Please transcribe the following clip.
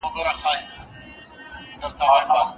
وسله هغه ده چي په لاس کي وي.